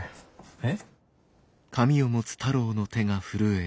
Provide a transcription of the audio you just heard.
えっ？